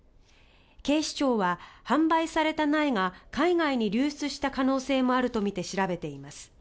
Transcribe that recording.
警視庁は販売された苗が海外に流出した可能性もあるとみて調べています。